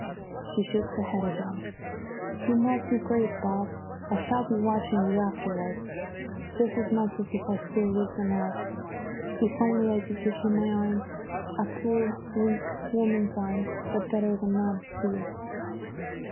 "She shook her head again. "'You must be brave, Bob. I shall be watching you afterwards just as much as if I still lived on earth. If only I could give you my arms! A poor, weak woman's arms, but better than none, dear.'